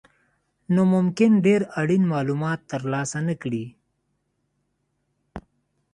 نو ممکن ډېر اړین مالومات ترلاسه نه کړئ.